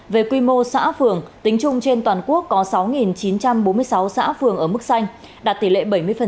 về quy mô xã phường tính chung trên toàn quốc có sáu chín trăm bốn mươi sáu xã phường ở mức xanh đạt tỷ lệ bảy mươi